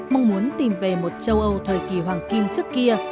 mong muốn tìm về một châu âu thời kỳ hoàng kim trước kia